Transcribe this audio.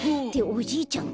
おじいちゃん